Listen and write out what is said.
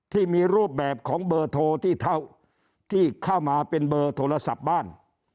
ที่มีรูปแบบของเบอร์โทรที่เท่าที่เข้ามาเป็นเบอร์โทรศัพท์บ้าน